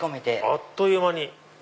あっという間に。